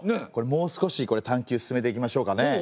もう少し探究進めていきましょうかね。